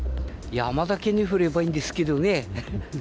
山だけに降ればいいんですけどね。